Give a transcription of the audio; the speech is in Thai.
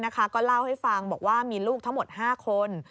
ก็เล่าให้ฟังบอกว่ามีลูกทั้งหมด๕คน